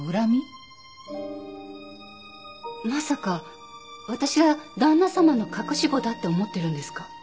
まさか私が旦那様の隠し子だって思ってるんですか？